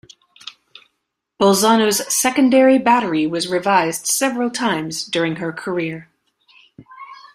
"Bolzano"s secondary battery was revised several times during her career.